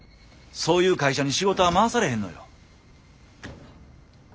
そういう会社に仕事は回されへんのよ。